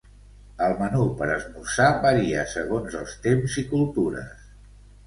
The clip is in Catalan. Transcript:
El menú per esmorzar varia segons els temps i cultures.